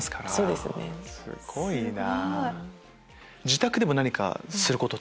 すごいな！